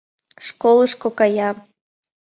Школышко кая.